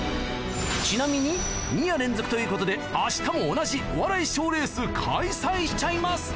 ちなみに２夜連続ということで明日も同じお笑い賞レース開催しちゃいます